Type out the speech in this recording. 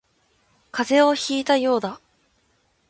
風邪をひいたようだ